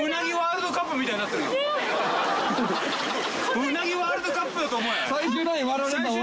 ウナギワールドカップだと思え。